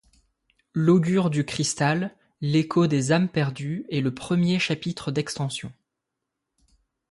L'augure du cristal - L'écho des âmes perdues est le premier chapitre d'extension.